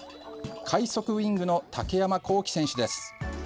快足ウイングの竹山晃暉選手です。